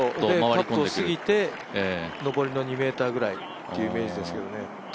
カップを過ぎて上りの２ｍぐらいという感じですけど。